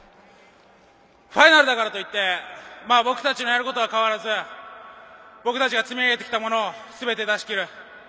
ファイナルだからといって僕たちのやることは変わらず僕たちが積み上げてきたものをすべて出し切る。